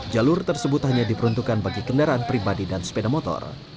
jalur tersebut hanya diperuntukkan bagi kendaraan pribadi dan sepeda motor